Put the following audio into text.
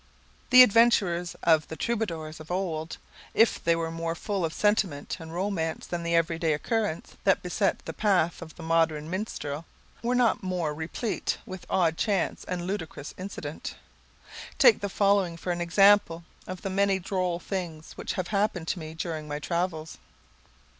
The adventures of the troubadours of old, if they were more full of sentiment and romance than the every day occurrences that beset the path of the modern minstrel, were not more replete with odd chances and ludicrous incident. Take the following for an example of the many droll things which have happened to me during my travels.